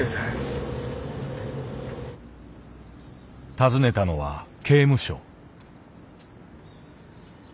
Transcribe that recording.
訪ねたのは刑務所。